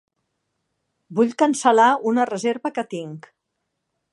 Vull cancel·lar una reserva que tinc.